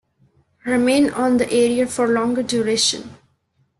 Remain on the area for longer duration.